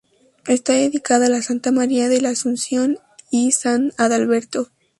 Está dedicada a la Santa María de la Asunción y San Adalberto.